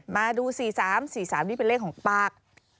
มาดู๔๓๔๓นี่เป็นเลขของปาก